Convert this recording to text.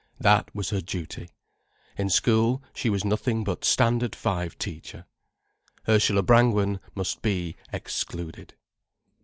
That was her duty. In school, she was nothing but Standard Five teacher. Ursula Brangwen must be excluded.